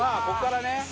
ここからね。